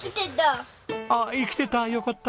ああ生きてたよかった。